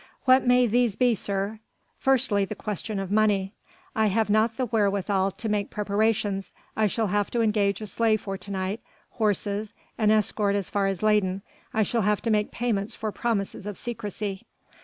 "What may these be, sir?" "Firstly the question of money. I have not the wherewithal to make preparations. I shall have to engage a sleigh for to night, horses, an escort as far as Leyden. I shall have to make payments for promises of secrecy...."